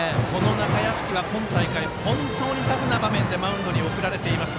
中屋敷は本当にタフな場面でマウンドに送られています。